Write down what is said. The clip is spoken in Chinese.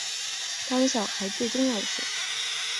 当小孩最重要的事